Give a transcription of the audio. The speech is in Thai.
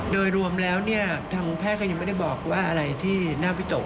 โดยรวมแล้วเนี่ยทางแพทย์ก็ยังไม่ได้บอกว่าอะไรที่น่าวิตก